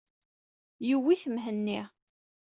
Yewwi-t Mhenni.